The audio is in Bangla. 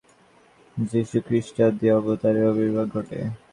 এই বোধ পূর্ণতা লাভ করিলে যীশুখ্রীষ্টাদি অবতারের আবির্ভাব ঘটে।